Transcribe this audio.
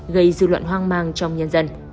gây dư luận hoang mang trong nhân dân